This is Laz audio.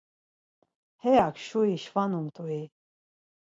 Heyak şuri şvanumt̆ui?